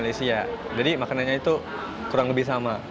kena saya dari malaysia jadi makanannya itu kurang lebih sama